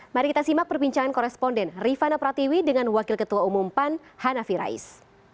mari kita simak perbincangan koresponden rifana pratiwi dengan wakil ketua umum pan hanafi rais